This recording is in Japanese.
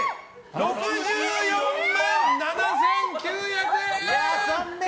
６４万７９００円！